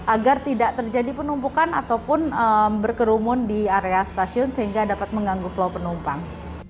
agar tidak terjadi penumpukan ataupun berkerumun di area stasiun sehingga dapat mengganggu flow penumpang